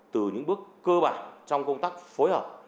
từ những bước cơ bản trong công tác phối hợp